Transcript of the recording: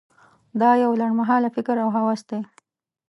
دا یو لنډ مهاله فکر او هوس دی.